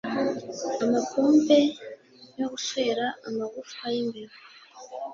amapompe yo guswera amagufwa yimbeba